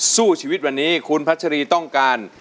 สู้ชีวิตวันนี้คุณพัชรีต้องการ